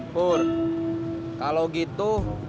pur kalau gitu